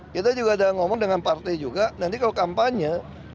kita juga ada ngomong dengan partai juga nanti kalau kampanye